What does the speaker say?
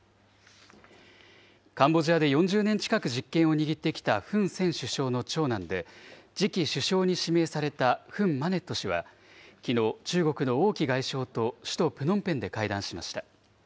カンボジアで４０年近く実権を握ってきたフン・セン首相の長男で、次期首相に指名されたフン・マネット氏はきのう、中国の王毅外相と首都プノンペンで会談しました。